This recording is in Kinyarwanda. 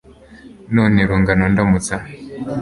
none rungano ndamutsa